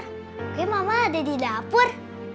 tapi mama ada di dapur